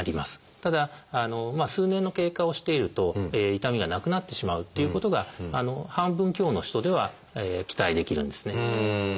ただ数年の経過をしていると痛みがなくなってしまうっていうことが半分強の人では期待できるんですね。